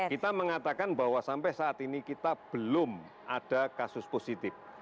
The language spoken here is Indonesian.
kita mengatakan bahwa sampai saat ini kita belum ada kasus positif